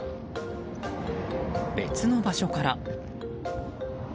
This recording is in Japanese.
別の場所から。